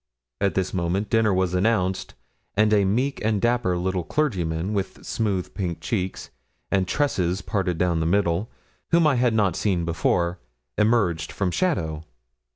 At this moment dinner was announced, and a meek and dapper little clergyman, with smooth pink cheeks, and tresses parted down the middle, whom I had not seen before, emerged from shadow.